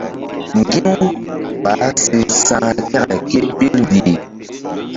Ŋgi̧-u baah si sa̧h kȩke ke ɓil mbih.